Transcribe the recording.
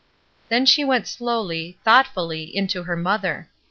Then she went slowly, thoughtfully, in to her mother.